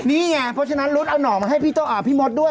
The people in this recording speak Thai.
เพราะฉะนั้นรุ๊ดเอาน่อมาให้พี่โต๊ะพี่มดด้วย